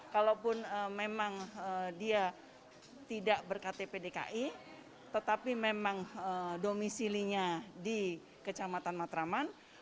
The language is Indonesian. kalaupun memang dia tidak berktp dki tetapi memang domisilinya di kecamatan matraman